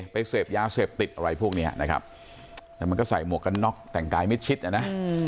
เสพยาเสพติดอะไรพวกนี้นะครับแต่มันก็ใส่หมวกกันน็อกแต่งกายมิดชิดอ่ะนะ